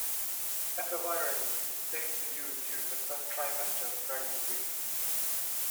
Efavirenz is safe to use during the first trimester of pregnancy.